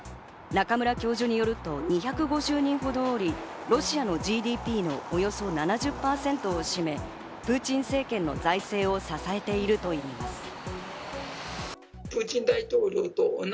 中村教授によると２５０人ほどおり、ロシアのＧＤＰのおよそ７０％を占め、プーチン政権の財政を支えているといいます。